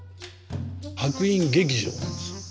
白隠劇場なんです。